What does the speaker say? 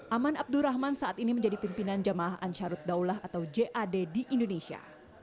aman abdurrahman saat ini menjadi pimpinan jemaah ansarut daulah atau jad di indonesia